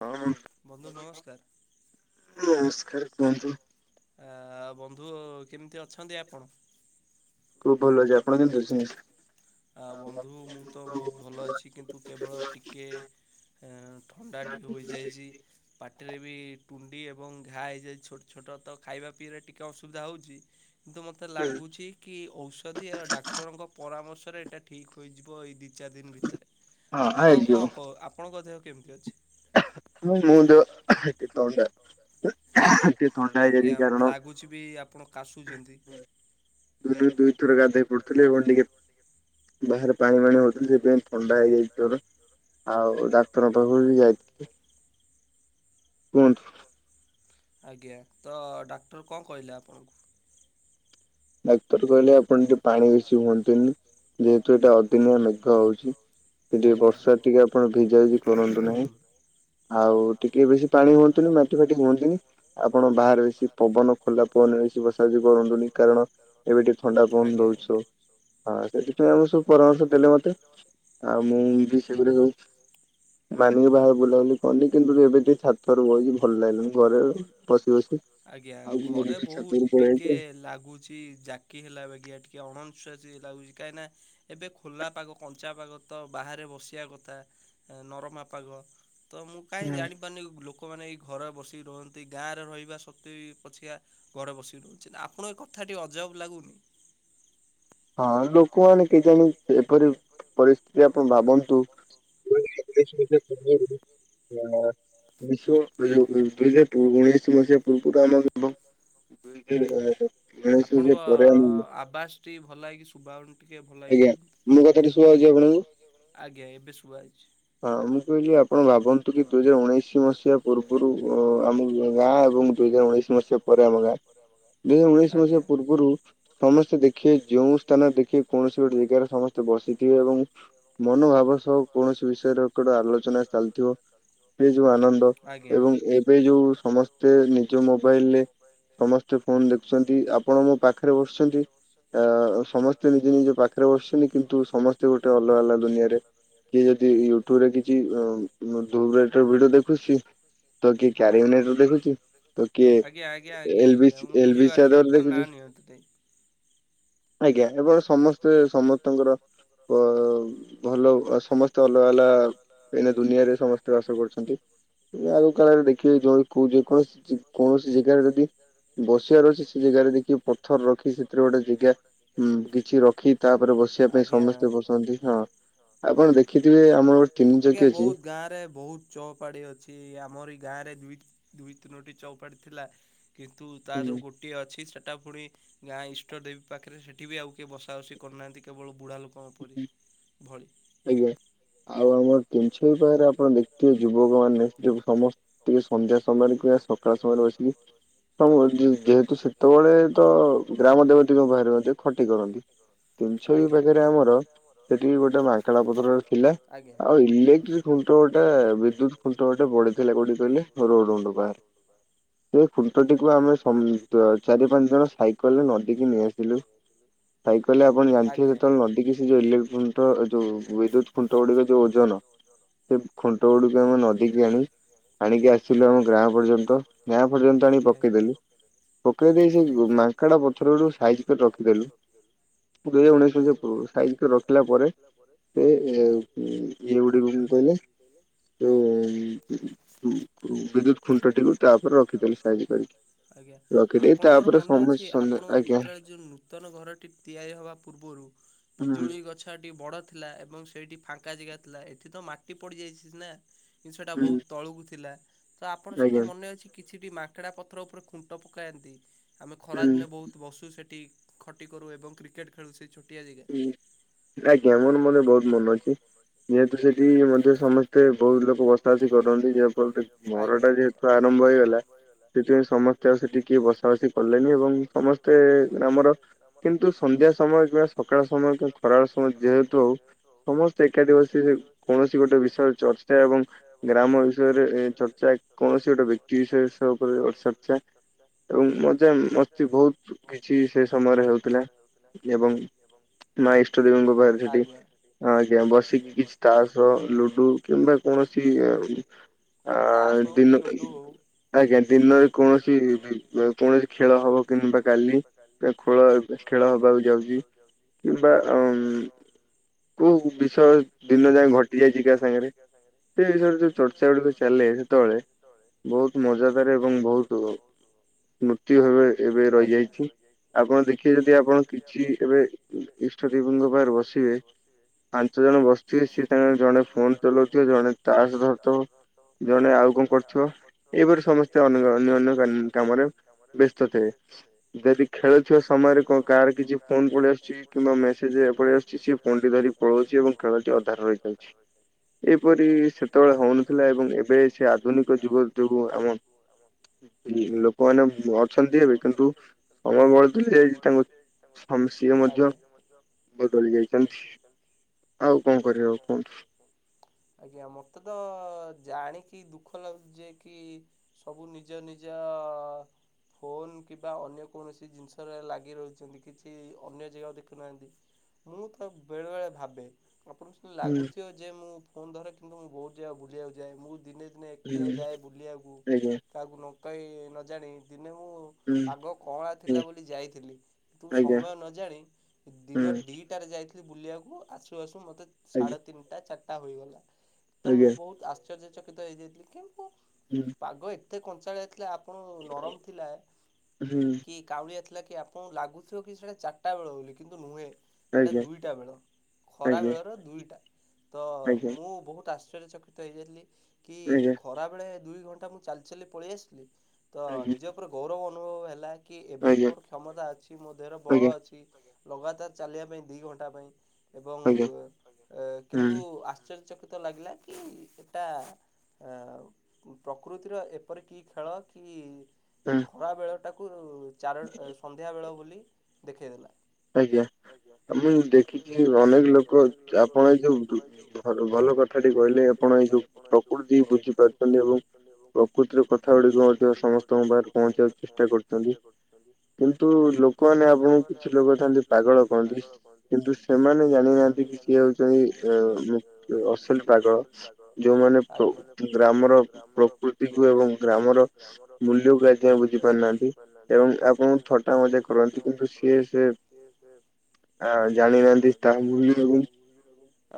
ହଁ, ନମସ୍କାର କୁହନ୍ତୁ। ଆ ବନ୍ଧୁ କେମିତି ଅଛନ୍ତି ଆପଣ? ଖୁବ୍ ଭଲ ଅଛି ଆପଣ କେମିତି ଅଛନ୍ତି? ଆ ବନ୍ଧୁ ମୁଁ ତ ବହୁତ ଭଲ ଅଛି କିନ୍ତୁ କେବଳ ଟିକେ ଆଁ ଥଣ୍ଡା ଟିକେ ହୋଇଯାଇଚି। ପାଟିରେ ବି ତୁଣ୍ଡି ଏବଂ ଘା ହେଇଯାଇଛି ଛୋଟ ଛୋଟ ତ ଖାଇବା ପିଇବାରେ ଟିକେ ଅସୁବିଧା ହଉଛି କିନ୍ତୁ ମୋତେ ଲାଗୁଚି କି ଔଷଦିଅ ଆଉ ଡାକ୍ତରଙ୍କ ପରାମର୍ଶରେ ଏଇଟା ଠିକ୍ ହୋଇଯିବ ଏଇ ଦି ଚାରି ଦିନ ଭିତରେ ଆପଣ କ କଁ ଆପଣଙ୍କ ଦେହ କେମିତି ଅଛି? ମୁ ମୁ ଦେହ ଟି ଥଣ୍ଡା। ଆଜ୍ଞା ଲାଗୁଚି ବି ଆପଣ କାଶୁଚନ୍ତି। ଦିନକୁ ଦୁଇଥର ଗାଧେଇ ପଡ଼ୁଥିଲି ଏବଂ ଟିକେ ବାହାର ପାଣି ଫାଣି ହଉଥିଲି ସେଥିପାଇଁ ଥଣ୍ଡା ହେଇଯାଇଛି ଜୋର ଆଉ ଡାକ୍ତରଙ୍କ ପାଖକୁ ବି ଯାଇଥିଲି। କୁହନ୍ତୁ। ଆଜ୍ଞା ତ ଡାକ୍ଟର କଣ କହିଲେ ଆପଣଙ୍କୁ? ଡାକ୍ତର କହିଲେ ଆପଣ ଟିକେ ପାଣି ବେଶି ହୁଅନ୍ତୁନି ଯେହେତୁ ଏଇଟା ଅଦିନିଆ ମେଘ ହୋଉଛି। ସେ ଟିକେ ବର୍ଷାରେ ଟିକେ ଆପଣ ଭିଜା ଭିଜି କରନ୍ତୁ ନାହିଁ। ଆଉ ଟିକେ ବେଶି ପାଣି ହୁଅନ୍ତୁନି, ମାଟି ଫାଟି ବୁହନ୍ତୁନି ଆପଣ ବାହାରେ ବେଶି ପବନ ଥଣ୍ଡା ପବନ ବେଶୀ ବସାବସି କରନ୍ତୁନି କାରଣ ଏବେ ଟିକେ ଥଣ୍ଡା ପବନ ଦଉଛି ସୋ। ହଁ ସେଥିପାଇଁ ଆମ ସବୁ ପରାମର୍ଶ ଦେଲେ ମତେ ଆଉ ମୁଁ ବି ସେଗୁଡ଼ିକୁ ମାନିକି ବାହାରେ ବୁଲାବୁଲି କରୁନି କିନ୍ତୁ ଏବେ ଟିକେ ଛାତ ଉପରେ ବଇଛି ଭଲ ଲାଗିବ ଘରେ ବସି ଆଜ୍ଞା, ଘରେ ବୋହୁତ୍ ଟିକେ ଲାଗୁ ଚି ଜାକି ହେଲାବାଗିଆ ଟିକେ ଅଣନିଶ୍ୱାସୀ ଲାଗୁଛି କାହିଁକିନା ଏବେ ଖୋଲା ପାଗ କଞ୍ଚା ପାଗ ତ ବାହାରେ ବସିବା କଥା। ନରମା ପାଗ ତ ମୁଁ କାଇଁ ଜାଣିପାରୁନି ଲୋକ ଲୋକମାନେ ଏଇ ଘରା ବସିକି ରୁହନ୍ତି ଗାଁରେ ରହିବା ସତ୍ତ୍ବେ ବି ପଛିଆ ଘଡ଼ ବସିକି ରହୁଛି ଆପଣ ଏ କଥା ଟି ଅଜବ ଲାଗୁନି? ହଁ ଲୋ ହଁ ଲୋକମାନେ କେଜାଣି ଏପରି ପରିସ୍ଥିତି ଆପଣ ଭାବନ୍ତୁ [unintelligible] [unintelligible] ଦୁଇ ହଜାର ଉଣେଇଶି ମସିହା ପୂର୍ବରୁ ଆମର [unintelligible] ଆପଣଙ୍କ ଆବାସ ଟି ଭଲ ହେଇକି ଶୁଭାହଉନି। ଟିକେ ଭଲ ଏଇ କୁହନ୍ତୁ ଆଜ୍ଞା ଏବେ ଶୁଭା ଯାଇଛି। ହଁ ମୁଁ କହିଲି ଆପଣ ଭାବନ୍ତୁ କି ଦୁଇ ହଜାର ଉଣେଇଶି ମସିହା ପୂର୍ବରୁ ଆମ ଗାଁ ଏବଂ ଦୁଇ ହଜାର ଉଣେଇଶ ମସିହ ପରେ ଆମ ଗାଁ। ବ ମରେ ଦୁଇ ହଜାର ଉଣେଇଶ ମସିହା ପୂର୍ବରୁ ସମସ୍ତେ ଦେଖି ଯୋଉଁ ସ୍ଥାନ ଦେଖିବେ କୌଣସି ଗୋଟେ ଜାଗାରେ ସମସ୍ତେ ବସିଥିବେ ଏବଂ ମନୋଭାବ ସହ କୌଣସି ବିଷୟରେଟ ଆଲୋଚନା ଚାଲିଥିବ। ଏ ଯୋଉ ଆନନ୍ଦ ଏବଂ ଏବେ ଯୋଉ ସମସ୍ତ ମତେ ନିଜ ମୋବାଇଲରେ ସମସ୍ତେ ଫୋନ ଦେଖୁଛନ୍ତି ଆପଣ ମୋ ପାଖରେ ବସୁଛନ୍ତି ଆ ସମସ୍ତେ ନିଜେ ନିଜ ପାଖରେ ବସିଛନ୍ତି କିନ୍ତୁ ସମସ୍ତେ ଗୋଟେ ଅଲଗା ଅଲଗା ଦୁନିଆରେ। କିଏ ଯଦି ୟୁଟ୍ୟୁବ ରେ କିଛି ଦ ଭିଡିଓ ଦେଖୁଛି। ତ କିଏ କ୍ୟାରିୟୁନଟ ଦେଖୁଛି ତ କିଏ ଦେଖୁଛି। କେନ୍ତୁ ଦେଇ ଆଜ୍ଞା ଏ ସମସ୍ତେ ସମସ୍ତଙ୍କର। ଅ ଭଲ ସମସ୍ତେ ଅଲଗା ଅଲ କାହିଁକିନା ଦୁିଆରେ ସମସ୍ତେ ବାସ କରୁଛନ୍ତି। ଆଗ କାଳରେ ଦେଖିବେ ଯି କହୁଛ କୌଣସି କୌଣସି ଜାଗାରେ ଯଦି ବସିବ ର ଅଛି ସେ ଜାଗାରେ ଦେଖିକି ପଥର ରଖି ସେଥିରେ ଗୋଟେ ଜେଗା ହୁଁ କିଛି ରଖି ତାପରେ ବସିବା ପାଇଁ ସମସ୍ତେ ବସନ୍ତି ହଁ। ଆପଣ ଦେଖିଥିବେ ଆମର ଗୋ ଆଜ୍ଞା ବହୁତ ଗାଁ ରେ ବହୁତ ଚଉପାଢି ଅଛି ଆମର ଏଇ ଗାଁ ରେ ଦୁଇ ଦୁଇ ତିନୋଟି ଚଉପାଡ଼ି ଥିଲା କିନ୍ତୁ ତା ଦେହରୁ ଗୋଟେ ଗୋଟିଏ ଅଛି ସେଟା ପୁଣି ଗାଁ ଇଷ୍ଟ ଦେବୀ ପାଖରେ ସେଠି ବି ଆଉ କିଏ ବସା ବସି କରୁନାହାନ୍ତି କେବଳ ବୁଢା ଲୋକ କଣ ପରି ଭଳି ଆଜ୍ଞା ଆଉ ଆମର ତିନଛ ଉପାୟରେ ଆପଣ ଦେଖଥିବେ ଯୁବକ ମାନେ ନି ସମ ଟିକେ ସନ୍ଧ୍ୟା ସମୟରେ କିବା ସକାଳ ସମୟରେ ବସିକି। ଯେହେତୁ ସେତେବେଳେ ତ ଗ୍ରାମ ଦେବତୀଙ୍କ ବାହରେ ମଧ୍ୟ ଖଟି କରନ୍ତି। [inaudible] ତିିନି ଛକି ପାଖରେ ଆମର ସେଠି ଗୋଟେ ମାଙ୍କଣା ପତ୍ର ଥିଲା ଆଉ ଇଲେକ୍ଟ୍ରିକ ଖୁଣ୍ଟ ଗୋଟା ବିଦ୍ୟୁତ ଖୁଣ୍ଟ ଗୋଟେ ବଢିଥିଲା କୋଉଠି କହିଲେ ରୋଡଣ୍ଡ ବାହାରେ। ସେ ଖୁଣ୍ଟଟିକୁ ଆମେ ଚାରି ପାଞ୍ଚ ଜଣ ସାଇକେଲରେ ନଦିକି ନେଇ ଆସିଲୁ। ସାଇକେଲ ଆପଣ ଜାଣିଥିବେ ଯେତେବେଳେ ନଦିକି ଯୋଉ ଇଲେଟ୍ର ଯୋଉ ବିଦ୍ୟୁତ ଖୁଣ୍ଟ ଗୁଡିକ ଯୋଉ ଓଜନ। ସେ ଖୁଣ୍ଟ ଗୁଡକୁ ଆମେ ନଦୀକୁି ଆଣି ଆଣିକି ଆସିଲୁ ଆମ ଗାଁ ପର୍ଯ୍ୟନ୍ତ ତ ଗାଁ ପର୍ଯ୍ୟନ୍ତ ଆଣିିକ ପକେଇଦେଲୁ। ପକେଇ ଦେଇ ସେ ମାଙ୍କାଡା ପଥର ରୁ ସାଇଜ୍ କରି ରଖିଦେଲୁ ଦୁଇ ହଜାର ଉଣେଇଶ ମସିହା ପୂର୍ବରୁ। ସାଇଜକୁ ରଖିଲା ପରେ ସେ ଇଏ ଗୁଡ଼କୁ କହିଲେ। ମୁଁ ବିଦ୍ୟୁତ ଖୁଣ୍ଟଟିକୁ ତାପରେ ରଖିଦଲି ସାାଇଜ କରିକି। ଆଜ୍ଞା ଆପଣଙ୍କର ମନେ ଅଛି ଆପଣଙ୍କର ଯେତେବେଳେ ଯୋଉ ନ ନୂତନ ଘରଟି ତିଆରି ହେବା ପୂର୍ବରୁ ପିଜୁଳି ଗଛ ଛ ଟିକେ ବଡ ଥିଲା ଏବଂ ସେଇଠି ଫାଙ୍କା ଜାଗା ଥିଲା ଏଠି ତ ମାଟି ପଡିଯାଇଛି ନା। ଜିନିଷଟା ବହୁତ ତଳକୁ ଥିଲା ତ ଆପଣ ସେଠି ମନେ ଅଛି କିଛି ମାଙ୍କଡା ପ ପଥର ଉପରେ ଖୁଣ୍ଟ ପକାନ୍ତି ଆମେ ଖରାଦିନେ ବହୁତ ତୁ ବସୁ ସେଠି ଖଟି କରୁ ଏବଂ କ୍ରିକେଟ୍ ଖେଳୁ ସେ ଛୋଟିଆ ଜେଗା। ଆଜ୍ଞା ମୋର ମନେ ବହୁତ ମନ ଅଛି। ଯେହେତୁ ସେଠି ମଧ୍ୟ ସମସ୍ତେ ବହୁତ ଲୋକ ବସାବାସି କରନ୍ତି ଯାହାଫଳରେ ଘର ଟା ଯେହେ ଆରମ୍ଭ ହେଇଗଲା ସେଥିପାଇଁ ସମ ଆଉ ସେଠି କିଏ ବସା ବସି କଲେନି ଏବଂ ସମସ୍ତେ ଗ୍ରାମର କିନ୍ତୁ ସନ୍ଧ୍ୟା ସମୟ ଯାସ ସକାଳ ସମୟ କି ଖରାବେଳେ ସମୟ ଯେହେତୁ ଆଉ ସମସ୍ତେ ଏକାଠି ବସି କୌଣସି ଗୋଟେ ବିଷୟରେ ଚର୍ଚ୍ଚା ର୍ଚା ଏବଂ ଗ୍ରାମ ବିଷୟରେ ଏ ଚର୍ଚ୍ଚା କୌଣସି ଗୋଟେ ବ୍ୟକ୍ତି ବିଶେଷ [unintelligible] ଏବଂ ମଜା ମସ୍ତି ବହୁତ କିଛି ସେ ସମୟରେ ହଉଥିଲା ଏବଂ ମା ଇଷ୍ଟ ଦେବୀ ଙ୍କ ପାଖରେ ସେଠି ହଁ ଆଜ୍ଞା ବସିକି କିଛି ତାସ, ଲୁଡୁ କିମ୍ବା କୌଣସି ଏ ତାସ ହଉ କି ଲୁଡୁ ହଉ ଆଜ୍ଞା ଦିନରେ କୌଣସି ଅ କୌଣସି ଖେଳ ହବ କିମ୍ବା କାଲି ଖୋଳ ବେ ଖେଳ ହବାକୁ ଯାଉଚି କିମ୍ବା ଅମ୍ କଉ ବିଷୟ ଦିନ ଯାଏଁ ଘଟିଯାଇଚି କା ସାଙ୍ଗରେ? ସେ ବିଷୟରେ ଯୋଉ ଚର୍ଚ୍ଚା ଗୁଡିକ ଚାଲେ ସେତେବେଳେ ବହୁତ ମଜା ଦାର ଏବଂ ବହୁତ ମୃତ୍ୟୁ ଭାବେ ଏବେ ରହିଯାଇଚି ଆପଣ ଦେଖିବେ ଯେ ଆପଣ କିଛି ଏବେ ଇ ଇଷ୍ଟ ଦେବୀଙ୍କ ପାଖରେ ବସିବେ ପାଞ୍ଚ ଜଣ ବସିଥିବେ ସେ ତାଙ୍କର ଜଣେ ଫୋନ ଚଲଉଥିବେ ଜଣେ ତାସ ଧରିଥବ ଜଣେ ଆଉ କଣ କରୁଥିବ, ଏଇପରି ସମସ୍ତେ ତେ ଅନ୍ୟ ଅନ୍ୟ ଅନ୍ୟ କା କାମରେ ବ୍ୟସ୍ତ ଥିବେ। ଯଦି ଖେଳୁଥିବା ସମୟରେ କଣ କାହାର କିଛି ଫୋନ ପଳେଇ ଆସୁଚି କିମ୍ବା ମେସେଜ୍ ପଳେଇ ଆସୁଚି ସେ ଫୋନ ଟି ଧରି ପଳାଉଚି ଏବଂ ଖେଳଟି ଅଧାରେ ରହିଯାଉଚି। ଏହିପରି ସେତେବେଳେ ହଉନଥିଲା ଏବଂ ଏବେ ସେ ଆଧୁନିକ ଯୁଗ ଯୋଗୁ ଆମ ଲୋକମାନେ ଅ ଅଛନ୍ତି ଏବେ କିନ୍ତୁ ସମୟ ବଦଳୁଯାଇଚି ତାଙ୍କୁ ସମ ସିଏ ମଧ୍ୟ ବଦଳି ଯାଇଚନ୍ତି ଆଉ କଣ କରିବାକୁ କୁହନ୍ତୁ। ଆଜ୍ଞା ମତେ ତ ଜାଣିକି ଦୁଃଖ ଲାଗୁଚି ଯେ କି ସବୁ ନିଜ ନିଜ ଫୋନ କିମ୍ବା ଅନ୍ୟ କୌଣସି ଜିନିଷରେ ଲାଗି ରହିଚନ୍ତି କିଛି ଅନ୍ୟ ଜଗା ଦେଖୁନାହାନ୍ତି। ମୁଁ ତ ବେଳେବେଳେ ଭାବେ, ଆପଣ ଲାଗୁଥିବ ଯେ ମୁଁ ଫୋନ୍ ଧରେ କିନ୍ତୁ ମୁଁ ବହୁତ ଜାଗା ବୁଲିବାକୁ ଯାଏ। ମୁଁ ଦିନେ ଦିନେ ଏକୁଟିଆ ଯାଏ ବୁଲିବାକୁ କାହାକୁ ନ କହି ନଜାଣି ଦିନେ ମୁଁ ପାଗ କଅଁଳା ଥିଲା ବୋଲି ଯାଇଥିଲି ତୁ ସମୟ ନ ଜାଣି ଦିନ ଦି ଏଟାରେ ଯାଇଥିଲି ବୁଲିବାକୁ ଆସୁ ଆସୁ ମୋତେ ସାଢ଼େ ତିନିଟା ଚାରିଟା ହୋଇଗଲା। ତ ମୁଁ ବହୁତ ଆଶ୍ଚର୍ଯ୍ୟଚକିତ ହେଇଯାଇଥିଲି କିନ୍ତୁ ହୁଁ। ପାଗ ଏତେ କଞ୍ଚାଳିଆ ଥିଲା ଆପଣ ନରମ ଥିଲା କି କାଉଁଳିଆ ଥିଲା କି ଆପଣ ଲାଗୁଥିବ କି ସେଟା ଚାରିଟା ବେଳ ବୋଲି କିନ୍ତୁ ନୁହେଁ। ସେଇଟା ଦୁଇଟା ବେଳ। ଖରା ବେଳର ଦୁଇଟା ତ ମୁଁ ବହୁତ ଆଶ୍ଚର୍ଯ୍ୟଚକ ତ ହେଇଯାଇଥିଲି କି ଖରାବେଳେ ଦୁଇ ଘଣ୍ଟା ମୁଁ ଚାଲିଚାଲି ପଳେଇ ଆସିଲି ତ ନିଜ ପୁରା ଗୌରବ ଅନୁଭବ ହେଲା କି ଏବେ ମୋର କ୍ଷମତା ଅଛି ମୋ ଦେହର ବଳ ଅଛି। ଇ ଲଗାତାର ଚାଲିବା ପାଇଁ ଦି ଘଣ୍ଟା ପାଇଁ ଏବଂ ଏ କିନ୍ତୁ ଆଶ୍ଚର୍ଯ୍ୟ ଚ୍ୟ ଚକିତ ଲାଗିଲା କି ଏଟା ଅ ପ୍ରକୃତିର ଏ ଏପରି କି ଖେଳ କି ଖରା ବେଳ ଟାକୁ ଚାର ଅ ସନ୍ଧ୍ୟାବେଳ ବୋଲି ଦେଖାଇ ଦେଲା। ଆଜ୍ଞା। ତମକୁ ଦେଖିକି ଅନେକ ଲୋକ ଆପଣ ଏ ଯଉ ଭଲ ଭଲକ ଭଲ କଥାଟି କହିଲେ ଆପଣ ଏଇ ଯୋଉ ପ୍ରକୃତି ବୁଝିପାରୁଚନ୍ତି ଏବଂ ପ୍ରକୃତିର କଥା ଗୁଡ଼ିକ ମଧ୍ୟ ସମସ୍ତଙ୍କ ପାଖରେ ପହଞ୍ଚିବାକୁ ଚେଷ୍ଟା କରିଚନ୍ତି। କିନ୍ତୁ ଲୋକମାନେ ଆପଣଙ୍କୁ କିଛି ଲୋକ ଥାନ୍ତି ପାଗଳ କହନ୍ତି କିନ୍ତୁ ସେମାନେ ଜାଣିନାହାନ୍ତି କି କିଏ ହଉଚନ୍ତି ଅ ପାଗଳ ଯୋଉମାନେ ଗ୍ରାମର ପ୍ରକୃତୀକୁ ଏ ଏବଂ ଗ୍ରାମର ମୂଲ୍ୟକୁ ଆଜି ଯାଏଁ ବୁଝି ପାରୁନାହାନ୍ତି ଏବଂ ଆପଣ ଥଟା ମଜା କରନ୍ତି। କିନ୍ତୁ [unintelligible] ଆଉ ଜାଣିନାହାନ୍ତି ତାହା [unintelligible]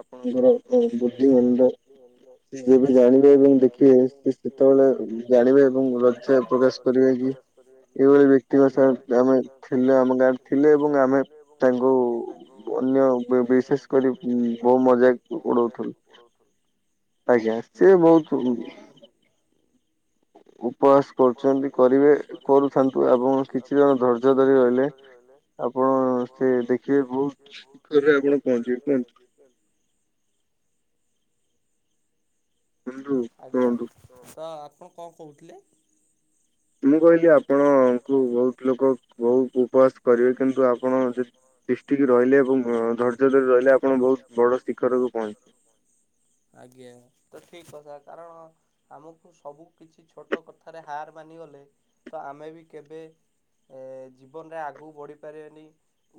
ଆପଣଙ୍କର ବୁଦ୍ଧିମନ୍ଦ ସେ ଯେବେ ଜାଣିବେ ଏବଂ ଦେଖିବେ ସେ ସେତେବେଳେ ଜାଣିବେ ଏବଂ ଲଜ୍ୟା ପ୍ରକାଶ କରିବେ କି ଏଇଭଳି ବ୍ୟକ୍ତିଙ୍କ ସହ ଆମେ ଥିଲେ ଆମ ଗାଁ ଥିଲେ ଏବଂ ଆମେ ତାଙ୍କୁ ଅନ୍ୟ ବିଶେଷ କରି ବହୁ ମଜାକ ଉଡଉଥିଲୁ। ଆଜ୍ଞା। ସିଏ ବହୁତୁ ଉପବାସ କରୁଛନ୍ତି କରିବେ କରୁଥାନ୍ତୁ ଏବଂ କିଛି ଜଣ ଧୈର୍ଯ୍ୟ ଧରି ରହିଲେ ଆପଣ ସେ ଦେଖିବେ ବହୁତ ଶୀଖରରେ ଆପଣ ପହଞ୍ଚିବେ କୁହନ୍ତୁ। ଆଜ୍ଞା। ତ ଆପଣ କଣ କହୁଥିଲେ? ମୁଁ କହିଲି ଆପଣଙ୍କୁ ବହୁତ ଲୋକ ବହୁତ ଉପବାସ କରିବେ କିନ୍ତୁ ଆପଣ ତୀଷ୍ଟିକି ରହିଲେ ଏବଂ ଧୈର୍ଯ୍ୟ ଧରି ରହିଲେ ଆପଣ ବହୁତ ବଡ ଶିଖରକୁ ପହଞ୍ଚିବେ। ଆଜ୍ଞା ତ ଠିକ କଥା କାରଣ ଆମକୁ ସବୁ କିଛି ଛୋଟ କଥାରେ ହାର ମାନିଗଲେ ତ ଆମେ ବି କେବେ ଏ ଜୀବନରେ ଆଗକୁ ବଢ଼ିପାରିବାନି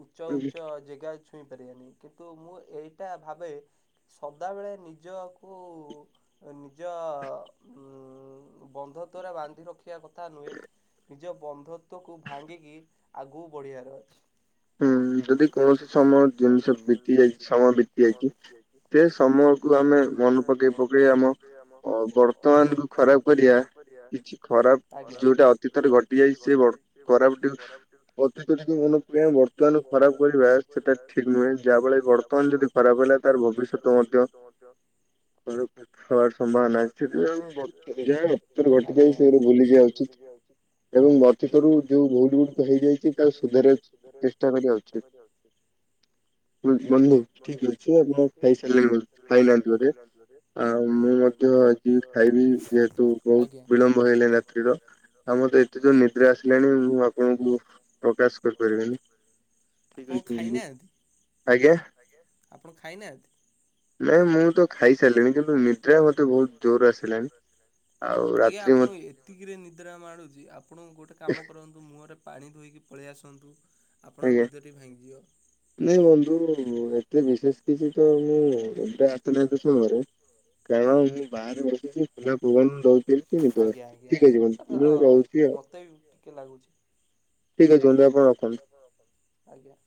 ଉଚ୍ଚ ଉଚ୍ଚ ଯେଗା ଛୁଇଁପାରିବାନି କିନ୍ତୁ ମୁଁ ଏଇଟା ଭାବେ ସଦାବେଳେ ନିଜକୁ ନିଜ ଉ ବନ୍ଧ ଦ୍ୱାରା ବାନ୍ଧି ରଖିବା କଥା ନୁହେଁ। ନିଜ ବନ୍ଧତ୍ଵକୁ ଭାଙ୍ଗିକି ଆଗକୁ ବଢ଼ିବାର ଅଛି। ହୁଁ ଯଦି କୌଣସି ସମୟ ଜିନିଷ ବିତି ଯାଇଚି ସମୟ ବିତି ଯାଇଚି ସେ ସମୟକୁ ଆମେ ମନେ ପକେଇ ପକେଇ ଆମ ଅ ବର୍ତ୍ତମାନକୁ ଖରାପ କରିବା କିଛି ଖରାପ ଯୋଉଟା ଅତୀତରେ ଘଟିଯାଇଚି ସେ ବ ଖରାପ ଟିକୁ [unintelligible] [unintelligible] ଆଜି ବର୍ତ୍ତମାନ ଖରାପ କରିବା ସେଟା ଠିକ୍ ନୁହେଁ। ଯାହା ଫଳରେ ବର୍ତ୍ତମାନ ଯଦି ଖରାପ ହେଲା ତାର ଭବିଷ୍ୟତ ମଧ୍ୟ ଯ ବାର ସମ୍ଭାବନା ଅଛି ଆଜ [unintelligible] [unintelligible] ଏବଂ ଅତୀତରୁ ଯୋଉ ଭୁଲ ଗୁଡିକ ହେଇଯାଇଛି ତା ସୁଧାରିବାକୁ ଚେ ଚେଷ୍ଟା କରିବା ଉଚିତ୍। ବନ୍ଧୁ ଠିକ ଅଛି ଆପଣ ଖାଇସାରିଲେଣି ଖାଇନାହାନ୍ତି ବୋଧେ? ଆଉ ମୁଁ ମଧ୍ୟ ଆଜି ଖାଇନି [unintelligible] ଏତେ ଯୋଉ ନିଦ୍ରା ଆସିଲାଣି ମୁଁ ଆପଣଙ୍କୁ ପ୍ରକାଶ କରିପାରିବିନି। ଆପଣ ଖାଇନାହାନ୍ତି ଆପଣ ଖାଇନାହାନ୍ତି? ନାଇଁ ମୁଁ ତ ଖାଇସାରିଲିଣି। କିନ୍ତୁ ନିଦ୍ରା ମତେ ବହୁତ ଜୋର ଆସିଲାଣି। ଆଉ ରାତ୍ରି ମ ଏତିକିରେ ନିଦ୍ରା ମାଡ଼ୁଛି ଆପଣ ଗୋଟେ କାମ କରନ୍ତୁ ମୁହଁରେ ପାଣି ଧୋଇକି ପଳେଇ ଆସନ୍ତୁ ଆପଣଙ୍କ ନିଦ ଟିକେ ଭାଙ୍ଗିଯିବ। ନାଇଁ ବନ୍ଧୁ ଏତେ ବିଶେଷ କିଛି ତ ମୁଁ ଏବେ ଥିଲା ସମୟରେ କାରଣ ମୁଁ ବାହାରେ ବସିଚି ଖୋଲା ପବନ ଦଉଚି। [unintelligible] ଠିକ ଅଛି ବନ୍ଧୁ ମୁଁ ରହୁଚି ଆଉ। ଠିକ୍ ଅଛି [unintelligible] ଆପଣ ରଖନ୍ତୁ। ଆଜ୍ଞା।